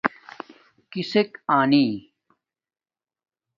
کِسݵک آنݵ؟